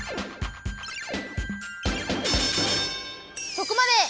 そこまで！